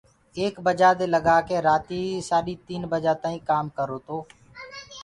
ايڪ بجآنٚ دي لگآ ڪي رآتيٚ سآڏيٚ تيٚن بجآ تآئيٚنٚ ڪآم ڪررو تو